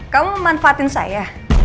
kamu memanfaatin saya